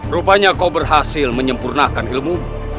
rupanya kau berhasil menyempurnakan ilmu